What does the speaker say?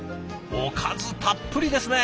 おかずたっぷりですね！